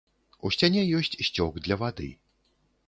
У сцяне ёсць сцёк для вады.